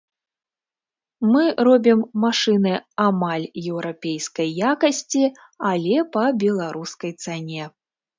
Мы робім машыны амаль еўрапейскай якасці, але па беларускай цане.